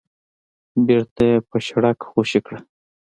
بېرته يې په شړک خوشې کړه.